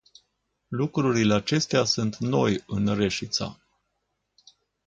Lucrurile acestea sunt noi în Reșița.